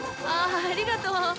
あありがとう。